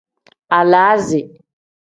Alaazi.